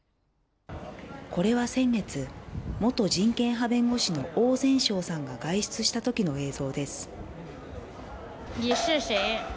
これは先月、元人権派弁護士のオウ・ゼンショウさんが外出した時の映像です。